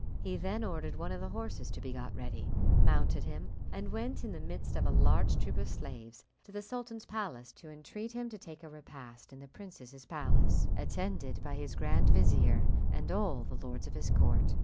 He then ordered one of the horses to be got ready, mounted him, and went in the midst of a large troop of slaves to the sultan's palace to entreat him to take a repast in the princess's palace, attended by his grand vizier and all the lords of his court.